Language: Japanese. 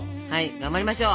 頑張りましょう！